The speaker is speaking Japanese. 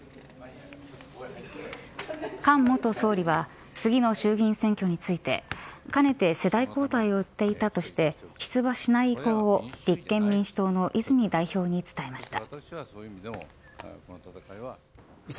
菅元総理は次の衆議院選挙についてかねて世代交代を言っていたとして出馬しない意向を立憲民主党の泉代表に伝えました。